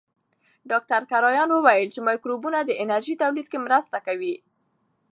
ډاکټر کرایان وویل چې مایکروبونه د انرژۍ تولید کې مرسته کوي.